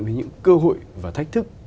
với những cơ hội và thách thức